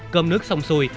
cơm nước xong xuôi